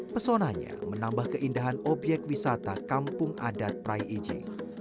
pesonanya menambah keindahan obyek wisata kampung adat prai iji